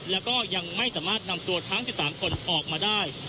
แล้วก็ยังไม่สามารถนำตัวทั้ง๑๓คนออกมาได้